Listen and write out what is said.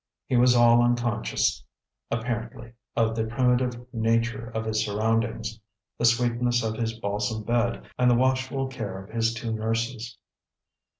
He was all unconscious, apparently, of the primitive nature of his surroundings, the sweetness of his balsam bed, and the watchful care of his two nurses.